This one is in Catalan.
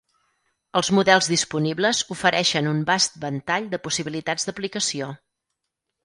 Els models disponibles ofereixen un vast ventall de possibilitats d'aplicació.